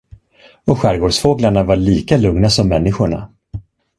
Och skärgårdsfåglarna var lika lugna som människorna.